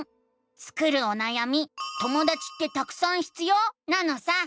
スクるおなやみ「ともだちってたくさん必要？」なのさ！